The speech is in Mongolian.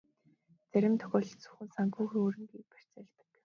Зарим тохиолдолд зөвхөн санхүүгийн хөрөнгийг барьцаалдаг.